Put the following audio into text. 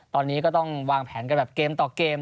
ตอนนี้ก็ต้องวางแผนกันแบบเกมต่อเกม